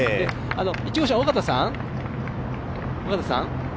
１号車、尾方さん。